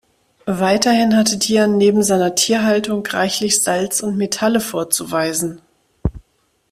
Weiterhin hatte Dian neben seiner Tierhaltung reichlich Salz und Metalle vorzuweisen.